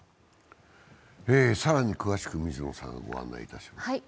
更に詳しく、水野さんにご案内いただきます。